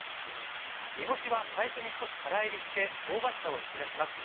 煮干しは最初に少しから煎りして香ばしさを引き出します。